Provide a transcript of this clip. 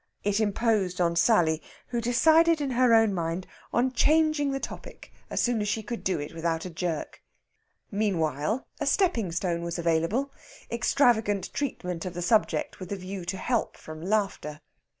It imposed on Sally, who decided in her own mind on changing the topic as soon as she could do it without a jerk. Meanwhile, a stepping stone was available extravagant treatment of the subject with a view to help from laughter.